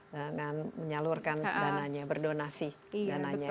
dengan menyalurkan dananya berdonasi dananya